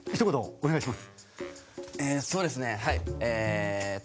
お願いします。